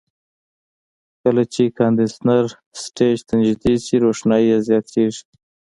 کله چې کاندنسر سټیج ته نږدې شي روښنایي یې زیاتیږي.